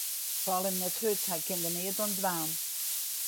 Fal him net hurd, hy kin der neat oan dwaan.